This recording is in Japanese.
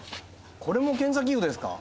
これも検査器具ですか？